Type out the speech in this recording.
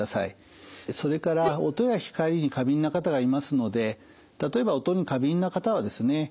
それから音や光に過敏な方がいますので例えば音に過敏な方はですね